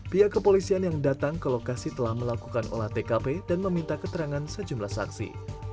pihak kepolisian yang datang ke lokasi telah melakukan olah tkp dan meminta keterangan sejumlah saksi